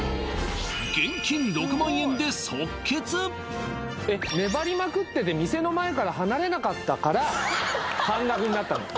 現金えっ粘りまくってて店の前から離れなかったから半額になったの？